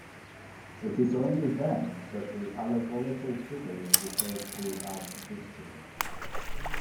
It is only then that the allegorical figure was referred to as Victory.